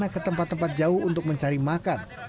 karena ke tempat tempat jauh untuk mencari makan